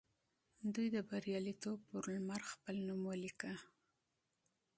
دوی د بریالیتوب پر لمر خپل نوم ولیکه.